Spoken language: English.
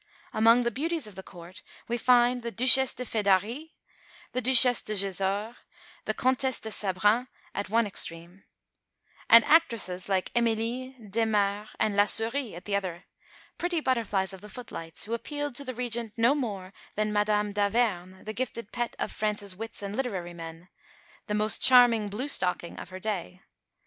Among the beauties of the Court we find the Duchesse de Fedari, the Duchesse de Gesores, the Comtesse de Sabran at one extreme; and actresses like Emilie, Desmarre, and La Souris at the other, pretty butterflies of the footlights who appealed to the Regent no more than Madame d'Averne, the gifted pet of France's wits and literary men, the most charming "blue stocking" of her day.